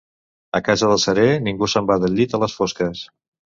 A casa del cerer ningú no se'n va al llit a les fosques.